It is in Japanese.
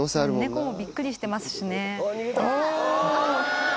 猫もびっくりしてますしね。